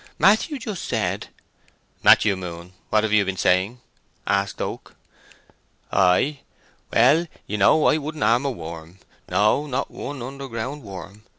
"Matthew just said—" "Matthew Moon, what have you been saying?" asked Oak. "I? Why ye know I wouldn't harm a worm—no, not one underground worm?"